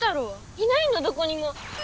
いないのどこにも。